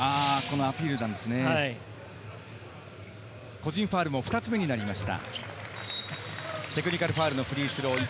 個人ファウルも２つ目になりました。